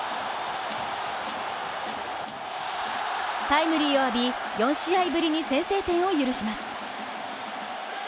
タイムリーを浴び、４試合ぶりに先制点を許します。